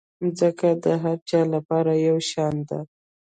مځکه د هر چا لپاره یو شان ده.